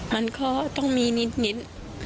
มันก็ต้องมีนิด